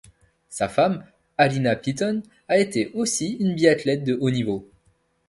Sa femme Halina Pitoń a été aussi une biathlète de haut niveau.